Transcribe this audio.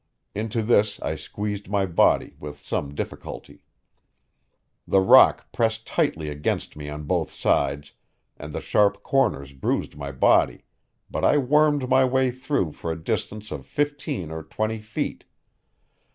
Into this I squeezed my body with some difficulty. The rock pressed tightly against me on both sides, and the sharp corners bruised my body, but I wormed my way through for a distance of fifteen or twenty feet.